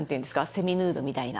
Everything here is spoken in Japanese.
セミヌードみたいな。